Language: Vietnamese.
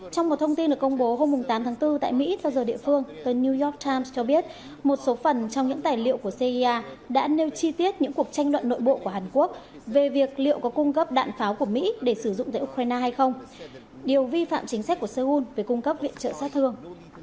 trong một thông tin được công bố hôm tám tháng bốn tại mỹ theo giờ địa phương tân new york times cho biết một số phần trong những tài liệu của cia đã nêu chi tiết những cuộc tranh luận nội bộ của hàn quốc về việc liệu có cung cấp đạn pháo của mỹ để sử dụng tại ukraine hay không điều vi phạm chính sách của seoul về cung cấp viện trợ sát thương